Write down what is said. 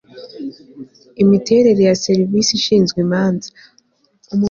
imiterere ya serivisi ishinzwe imanza